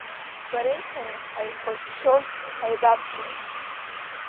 Бареи сареи ҳаихәаччон, ҳаибабжьон.